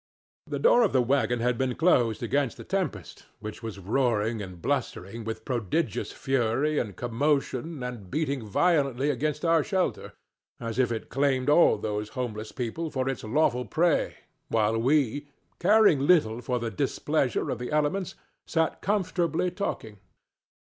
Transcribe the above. The door of the wagon had been closed against the tempest, which was roaring and blustering with prodigious fury and commotion and beating violently against our shelter, as if it claimed all those homeless people for its lawful prey, while we, caring little for the displeasure of the elements, sat comfortably talking.